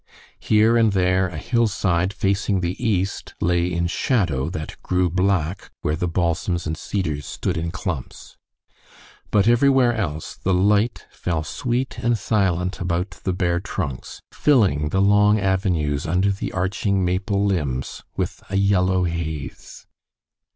Here and there a hillside facing the east lay in shadow that grew black where the balsams and cedars stood in clumps. But everywhere else the light fell sweet and silent about the bare trunks, filling the long avenues under the arching maple limbs with a yellow haze.